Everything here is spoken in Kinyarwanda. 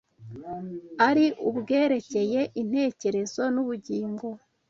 ari ubwerekeye intekerezo n’ubugingo